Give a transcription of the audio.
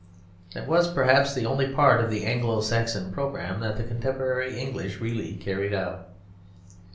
That was perhaps the only part of the Anglo Saxon programme that the contemporary English really carried out.